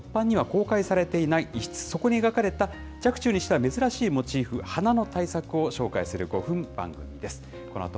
香川県金刀比羅宮の一般には公開されていない一室、そこに描かれた若冲にしては珍しいモチーフ、花の大作を紹介する５分番組です。